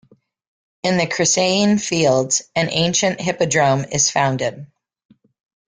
In the Crisaean fields, an ancient hippodrome is founded.